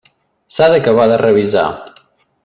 S'ha d'acabar de revisar.